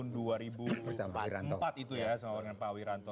di tahun dua ribu empat itu ya sama orangnya pak wiranto